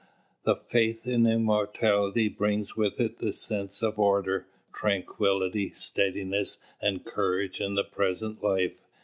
The faith in immortality brings with it the sense of order, tranquillity, steadiness and courage in the present life.